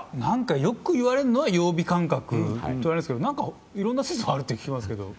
よく言われるのは曜日感覚といわれますけど何かいろいろな説があるって聞きますけど。